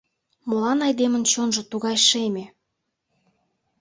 Молан айдемын чонжо тугай шеме?